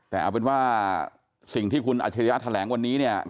แต่เอาเป็นว่าสิ่งที่คุณอัชริยะแถลงวันนี้เนี่ย